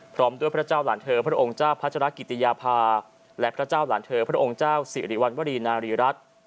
พร้อมด้วยพระเจ้าหลานเธอพระองค์เจ้าพัชรกิติยาภาและพระเจ้าหลานเธอพระองค์เจ้าสิริวัณวรีนารีรัฐ